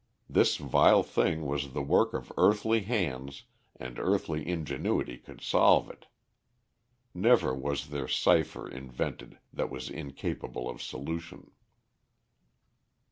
This vile thing was the work of earthly hands and earthly ingenuity could solve it. Never was there cipher invented that was incapable of solution.